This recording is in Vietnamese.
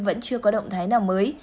vẫn chưa có động thái nào mới